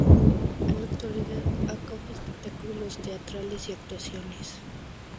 En la actualidad acoge espectáculos teatrales y actuaciones.